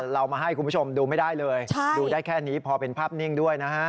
เรามาให้คุณผู้ชมดูไม่ได้เลยดูได้แค่นี้พอเป็นภาพนิ่งด้วยนะฮะ